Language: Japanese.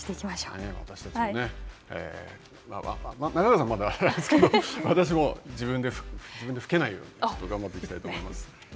私たちもね、中川さんはまだあれですけど、私も自分でふけないように頑張っていきたいと思います。